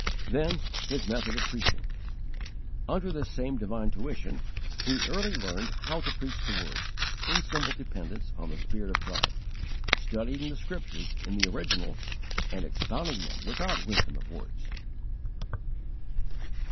6. His method of preaching. Under this same divine tuition he early learned how to preach the Word, in simple dependence on the Spirit of God, studying the Scriptures in the original and expounding them without wisdom of words.